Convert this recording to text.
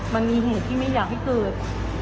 มันมีเหตุที่ไม่อยากให้เกิด